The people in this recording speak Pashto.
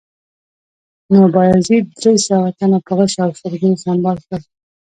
نو بایزید درې سوه تنه په غشو او شلګیو سنبال کړل